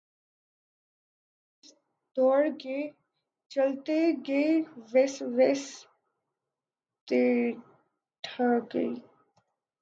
لیکن جیس جیس دوڑ گ ، چلتے گ ویس ویس ت دھ گئی